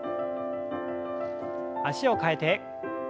脚を替えて。